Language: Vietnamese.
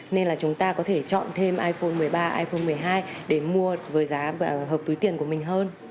nên là chúng ta có thể chọn thêm iphone một mươi ba iphone một mươi hai để mua với giá và hợp túi tiền của mình hơn